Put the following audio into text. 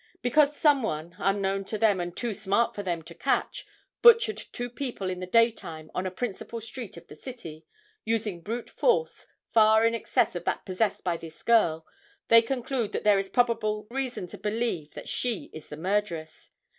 Because some one, unknown to them and too smart for them to catch, butchered two people in the daytime on a principal street of the city, using brute force, far in excess of that possessed by this girl, they conclude that there is probable reason to believe that she is the murderess.